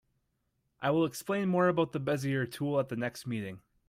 I will explain more about the Bezier tool at the next meeting.